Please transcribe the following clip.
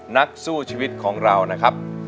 นักสู้ชีวิตของเรานะครับ